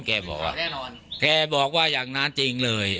แกบอกว่าแน่นอนแกบอกว่าอย่างนั้นจริงเลย